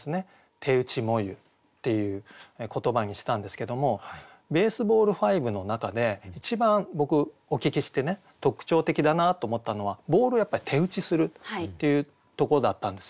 「手打ち炎ゆ」っていう言葉にしたんですけどもＢａｓｅｂａｌｌ５の中で一番僕お聞きして特徴的だなと思ったのはボールをやっぱり手打ちするっていうとこだったんですよね。